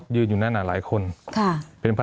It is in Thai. มีความรู้สึกว่ามีความรู้สึกว่า